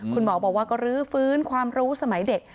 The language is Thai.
คุณหมอบอกว่าก็รื้อฟื้นความรู้สมัยเด็ก